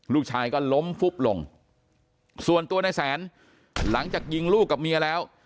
ลูกชายก็ล้มฟุบลงส่วนตัวในแสนหลังจากยิงลูกกับเมียแล้ว